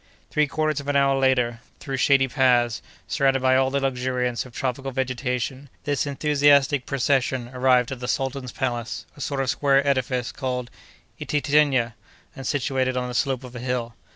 Three quarters of an hour later, through shady paths, surrounded by all the luxuriance of tropical vegetation, this enthusiastic procession arrived at the sultan's palace, a sort of square edifice called ititénya, and situated on the slope of a hill.